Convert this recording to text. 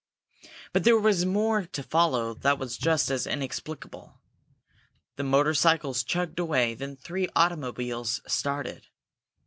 But there was more to follow that was just as inexplicable. The motorcycles chugged away; then three automobiles started.